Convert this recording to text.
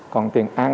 còn tiền ăn